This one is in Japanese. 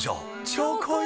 超濃い